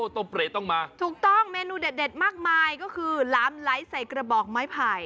ต้มเปรตต้องมาถูกต้องเมนูเด็ดมากมายก็คือหลามไลท์ใส่กระบอกไม้ไผ่